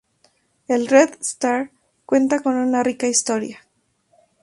El Red Star cuenta con una rica historia.